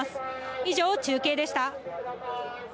以上、中継でした。